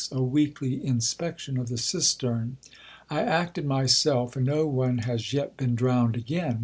a weekly inspection of the cistern. I acted myself and no one has yet been drowned again.